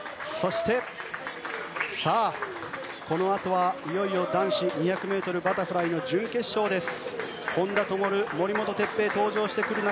このあとはいよいよ男子２００ｍバタフライ準決勝です。